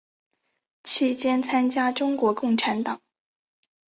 期间参加中国共产党。